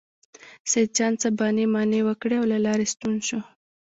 سیدجان څه بانې مانې وکړې او له لارې ستون شو.